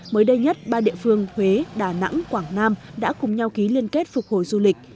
mới đây nhất ba địa phương huế đà nẵng quảng nam đã cùng nhau ký liên kết phục hồi du lịch